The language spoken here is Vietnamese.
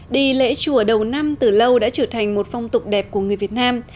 đi lễ chùa đầu năm từ lâu đã trở thành một phong tục đẹp của người việt nam